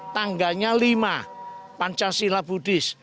tangganya lima pancasila buddhis